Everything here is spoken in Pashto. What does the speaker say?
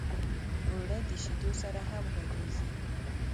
اوړه د شیدو سره هم ګډېږي